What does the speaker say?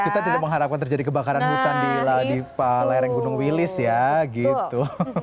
kita tidak mengharapkan terjadi kebakaran hutan di lereng gunung wilis ya gitu